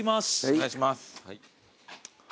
お願いします。